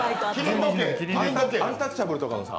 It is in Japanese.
アンタッチャブルのさ